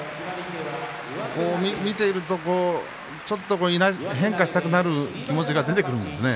見ているとちょっと変化したくなる気持ちが出てくるんですよね